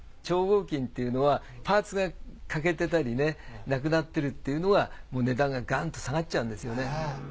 超合金っていうのはパーツがかけてたりなくなってるっていうのは値段がガンと下がっちゃうんですよね。